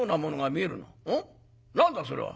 何だそれは？」。